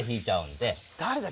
誰だ？